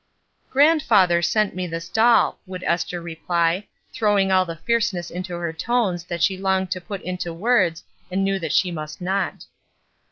''Grandfather sent me this doll," would Esther reply, throwing all the fierceness into her tones that she longed to put into words and knew that she must not.